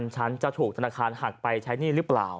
ฉันจะถูกธนาคารหักไปใช้หนี้หรือเปล่า